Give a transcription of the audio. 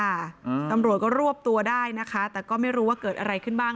อืมตำรวจก็รวบตัวได้นะคะแต่ก็ไม่รู้ว่าเกิดอะไรขึ้นบ้าง